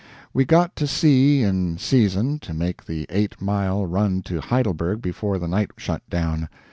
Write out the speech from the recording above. We got to sea in season to make the eight mile run to Heidelberg before the night shut down.